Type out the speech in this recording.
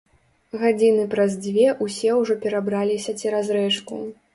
Гадзіны праз дзве ўсе ўжо перабраліся цераз рэчку.